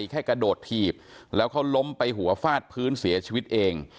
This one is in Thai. แค่กระโดดถีบแล้วเขาล้มไปหัวฟาดพื้นเสียชีวิตเอง